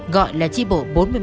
gọi là tri bộ bốn mươi một